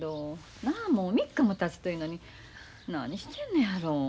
なあもう３日もたつというのに何してんのやろ。